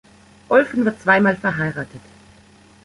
Olfen war zweimal verheiratet.